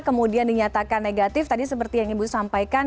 kemudian dinyatakan negatif tadi seperti yang ibu sampaikan